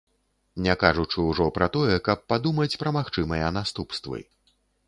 Не кажучы ўжо пра тое, каб падумаць пра магчымыя наступствы.